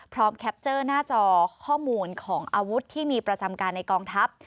แคปเจอร์หน้าจอข้อมูลของอาวุธที่มีประจำการในกองทัพ